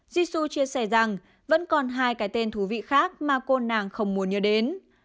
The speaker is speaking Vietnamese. jisu chia sẻ rằng vẫn còn hai cái tên thú vị khác mà cô nàng không muốn nhớ đến